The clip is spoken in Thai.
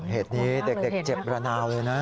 เหตุนี้เด็กเจ็บระนาวเลยนะ